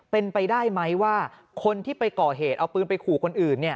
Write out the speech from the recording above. เป็นไปได้ไหมว่าคนที่ไปก่อเหตุเอาปืนไปขู่คนอื่นเนี่ย